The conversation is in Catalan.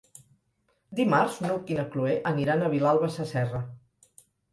Dimarts n'Hug i na Cloè aniran a Vilalba Sasserra.